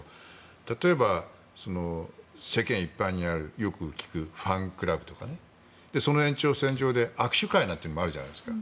例えば、世間一般にあるよく聞く、ファンクラブとかねその延長線上で握手会とかもあるじゃないですか。